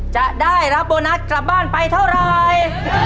จะได้รับโบนัสกลับบ้านไปเท่าไร